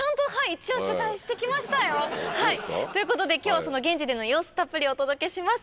一応取材してきましたよということで今日はその現地での様子たっぷりお届けします。